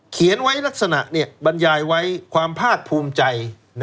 เขียนไว้ลักษณะบรรยายไว้ความภาคภูมิใจ